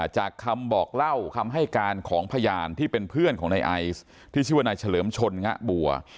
จากคำบอกเล่าคำให้การของพยานที่เป็นเพื่อนของในไอซ์ที่ชื่อว่านายเฉลิมชนงะบัว